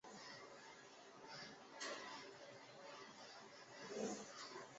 伦敦通勤带。